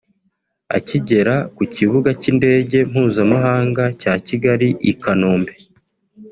Akigera ku kibuga cy’indege mpuzamahanga cya Kigali i Kanombe